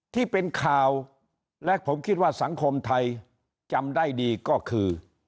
ที่เป็นข่าวและผมคิดว่าสังคมไทยจำได้ดีก็คือ